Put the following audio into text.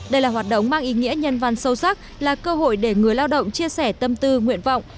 đây là hoạt động mang ý nghĩa nhân văn sâu sắc là cơ hội để người lao động chia sẻ tâm tư nguyện vọng